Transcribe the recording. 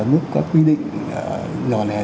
nước quy định nhỏ nẻ